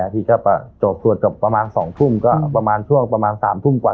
อาทิตย์ก็ปะโจทย์สวดกับประมาณสองทุ่มก็ประมาณช่วงประมาณสามทุ่มกว่า